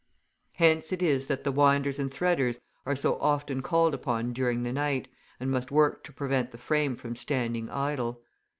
Hence it is that the winders and threaders are so often called upon during the night, and must work to prevent the frame from standing idle.